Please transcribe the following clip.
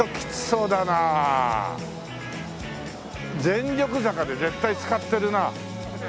『全力坂』で絶対使ってるな。